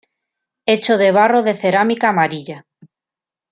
Hecho de barro de cerámica amarilla.